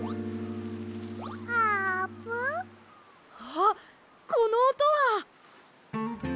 あっこのおとは！